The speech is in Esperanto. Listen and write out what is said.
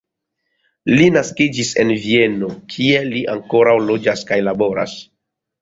Li naskiĝis en Vieno, kie li ankoraŭ loĝas kaj laboras.